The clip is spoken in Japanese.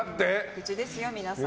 口ですよ、皆さん。